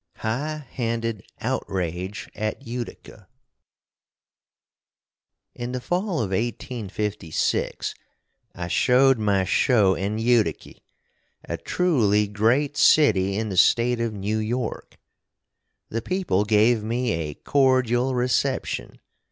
HIGH HANDED OUTRAGE AT UTICA In the fall of 1856 I showed my show in Utiky, a trooly grate sitty in the State of New York. The people gave me a cordyal recepshun.